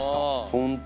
本当。